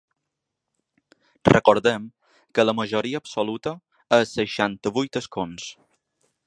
Recordem que la majoria absoluta és seixanta-vuit escons.